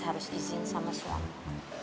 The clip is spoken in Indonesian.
harus izin sama suami